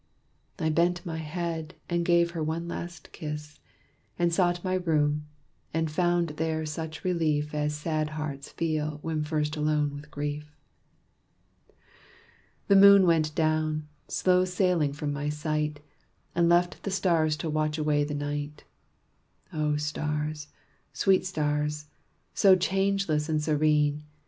I bent my head and gave her one last kiss, And sought my room, and found there such relief As sad hearts feel when first alone with grief. The moon went down, slow sailing from my sight, And left the stars to watch away the night. O stars, sweet stars, so changeless and serene!